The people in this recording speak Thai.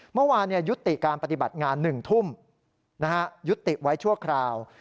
เมื่อวานยุติการปฏิบัติงาน๑ทุ่มยุติไว้ชั่วคราว